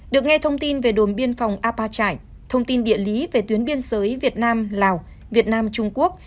được nghe thông tin về đồn biên phòng apa trải thông tin địa lý về tuyến biên giới việt nam lào việt nam trung quốc